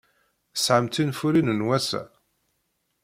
Tesɛam tinfulin n wass-a?